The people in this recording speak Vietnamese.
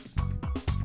chúng ta sẽ chạy